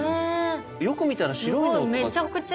よく見たら白いのとか。